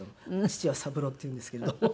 父は「三朗」っていうんですけど。